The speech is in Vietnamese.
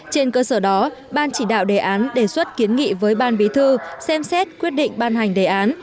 trên cơ sở đó ban chỉ đạo đề án đề xuất kiến nghị với ban bí thư xem xét quyết định ban hành đề án